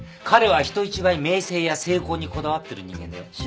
彼は人一倍名声や成功にこだわってる人間だよ。